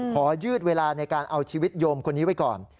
ยืดเวลาในการเอาชีวิตโยมคนนี้ไว้ก่อน